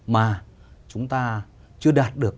mà chúng ta chưa đạt được